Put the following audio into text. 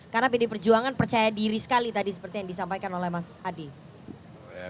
karena pdp perjuangan percaya diri sekali tadi seperti yang disampaikan oleh mas adi